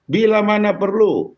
bila mana perlu